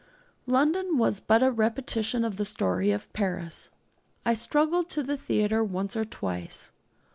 London was but a repetition of the story of Paris. I struggled to the theatre once or twice.